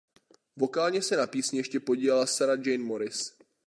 Vokálně se na písni ještě podílela Sarah Jane Morris.